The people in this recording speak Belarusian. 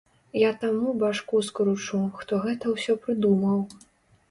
Я таму башку скручу, хто гэта ўсё прыдумаў.